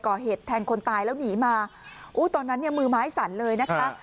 ก่อเหตุแทงคนตายแล้วหนีมาอุ้ยตอนนั้นเนี่ยมือไม้สั่นเลยนะคะ